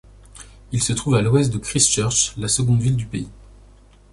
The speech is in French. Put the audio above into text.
Il se trouve à à l'ouest de Christchurch, la seconde ville du pays.